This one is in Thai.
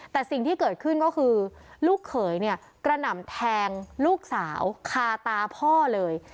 แต่สิ่งที่เกิดขึ้นก็คือลูกเขยเนี่ยกระหน่ำแทงลูกสาวคาตาพ่อเลย